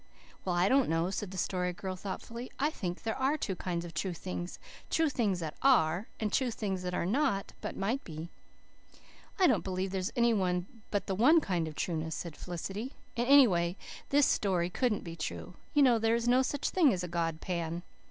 "Well, I don't know," said the Story Girl thoughtfully. "I think there are two kinds of true things true things that ARE, and true things that are NOT, but MIGHT be." "I don't believe there's any but the one kind of trueness," said Felicity. "And anyway, this story couldn't be true. You know there was no such thing as a god Pan."